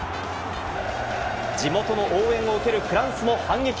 地元の応援を受けるフランスも反撃。